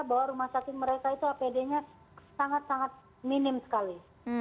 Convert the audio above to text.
bahwa rumah sakit mereka itu apd nya sangat sangat minim sekali